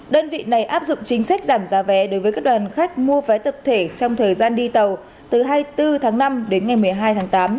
đơn vị này áp dụng chính sách giảm giá vé đối với các đoàn khách mua vé tập thể trong thời gian đi tàu từ hai mươi bốn tháng năm đến ngày một mươi hai tháng tám